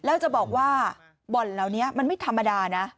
แล้วจะบอกว่าบ่อนเหล่านี้มันไม่ธรรมดานะ